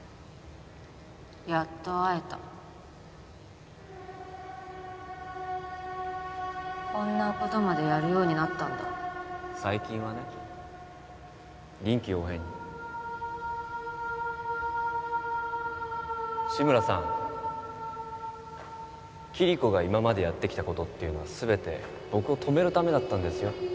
やっと会えたこんなことまでやるようになったんだ最近はね臨機応変に志村さんキリコが今までやってきたことっていうのは全て僕を止めるためだったんですよ